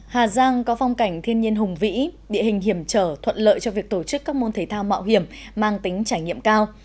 hà giang có phong cảnh thiên nhiên hùng vĩ địa hình hiểm trở thuận lợi cho việc tổ chức các môn thể thao mạo hiểm mang tính trải nghiệm cao